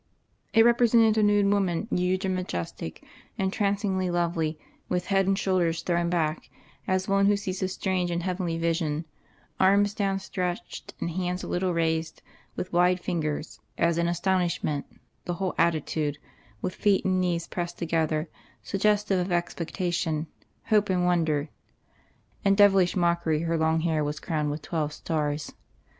It represented a nude woman, huge and majestic, entrancingly lovely, with head and shoulders thrown back, as one who sees a strange and heavenly vision, arms downstretched and hands a little raised, with wide fingers, as in astonishment the whole attitude, with feet and knees pressed together, suggestive of expectation, hope and wonder; in devilish mockery her long hair was crowned with twelve stars.